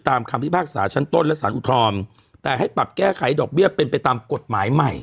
คำพิพากษาชั้นต้นและสารอุทธรณ์แต่ให้ปรับแก้ไขดอกเบี้ยเป็นไปตามกฎหมายใหม่